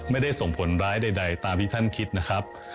ไม่ได้ส่งผลร้ายใดตามที่ท่านคิดนะครับ